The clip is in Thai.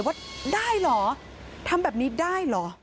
ว่าทำแบบนี้ได้หรอ